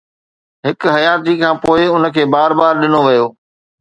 هڪ حياتيءَ کان پوءِ، ان کي بار بار ڏنو ويو